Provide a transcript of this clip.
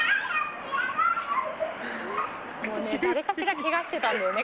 もうね誰かしらケガしてたんだよね